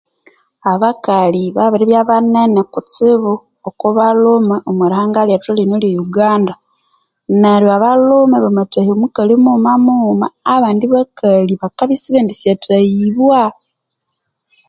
Abakali babiribya banene kutsibu oko balhume omorihanga lyethu lye uganda neryo abalhume bamathahya mukali mughuma mughuma abandi bakali bakabya sibendi sathahibwa